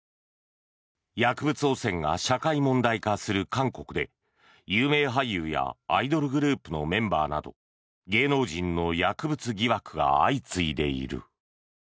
薬物汚染が社会問題化する韓国で有名俳優やアイドルグループのメンバーなど芸能人の薬物疑惑が相次いでいる。